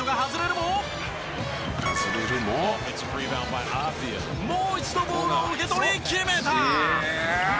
もう一度ボールを受け取り決めた！